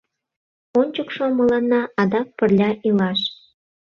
Ончыкшо мыланна адак пырля илаш.